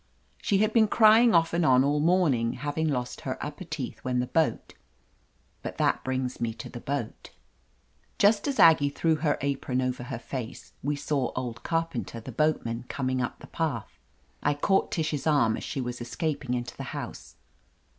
She had been crying off and on all morning, having lost her upper teeth when the boat — but that brings me to the boat. Just as Aggie threw her apron over her face, we saw old Carpenter, the boatman, coming up the path. I caught Tish's arm as she was escaping into the house.